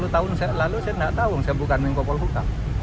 sepuluh tahun lalu saya tidak tahu saya bukan menko polhukam